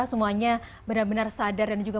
semuanya benar benar sadar dan juga